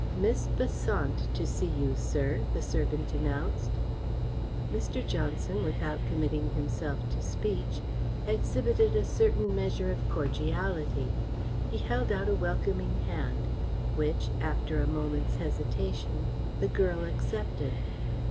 "Miss Besant to see you, sir," the servant announced. Mr. Johnson, without committing himself to speech, exhibited a certain measure of cordiality. He held out a welcoming hand, which, after a moment's hesitation, the girl accepted.